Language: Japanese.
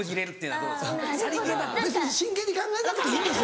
別に真剣に考えなくていいんです。